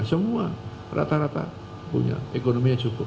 semua rata rata punya ekonominya cukup